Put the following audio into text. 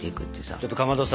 ちょっとかまどさ